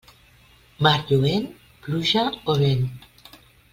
Mar lluent, pluja o vent.